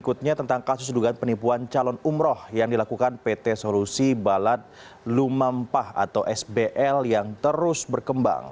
berikutnya tentang kasus dugaan penipuan calon umroh yang dilakukan pt solusi balat lumampah atau sbl yang terus berkembang